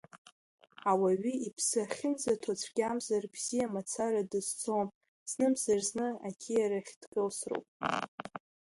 Ауаҩы иԥсы ахьынӡаҭоу цәгьамзар бзиала мацара дызцом, знымзар-зны ақьиарахь дкылсроуп.